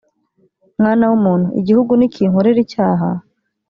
mwana w’umuntu igihugu nikinkorera icyaha